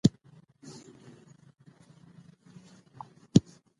افغانستان کې د اوبو سرچینې د چاپېریال د تغیر نښه ده.